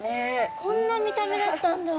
こんな見た目だったんだ！